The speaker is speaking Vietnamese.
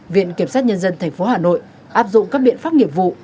viện kiểm soát nhân dân thành phố hà nội áp dụng các biện pháp nghiệp vụ